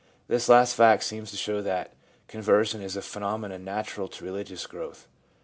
This last fact seems to show that conversion is a phenomenon natural to religious growth.